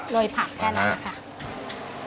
โรยผักแค่นี้ค่ะ